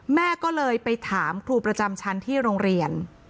แม่ก็เลยไปถามครูประจำชั้นที่โรงเรียน